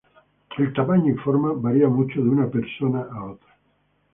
El tamaño y forma varía mucho de una mujer a otra.